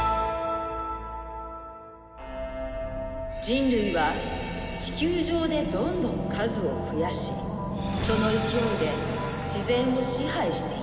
人類は地球上でどんどん数を増やしその勢いで自然を支配していった。